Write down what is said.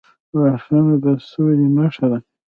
لاسونه د سولې نښه ده